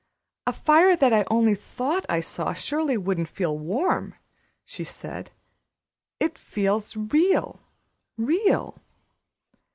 "A fire that I only thought I saw surely wouldn't feel warm," she said. "It feels real real."